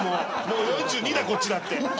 もう４２だ、こっちだって。